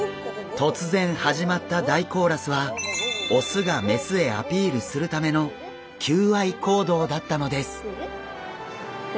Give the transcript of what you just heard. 突然始まった大コーラスはオスがメスへアピールするための求愛行動だったのです！